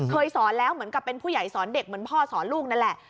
สอนแล้วเหมือนกับเป็นผู้ใหญ่สอนเด็กเหมือนพ่อสอนลูกนั่นแหละ